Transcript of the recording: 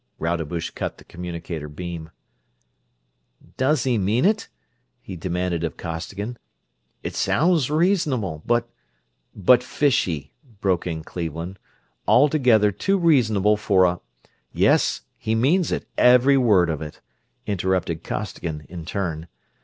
Rodebush cut the communicator beam. "Does he mean it?" he demanded of Costigan. "It sounds reasonable, but...." "But fishy," broke in Cleveland. "Altogether too reasonable for a...." "Yes, he means it; every word of it," interrupted Costigan in turn.